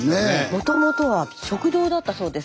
もともとは食堂だったそうです